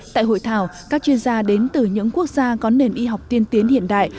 tại hội thảo các chuyên gia đến từ những quốc gia có nền y học tiên tiến hiện đại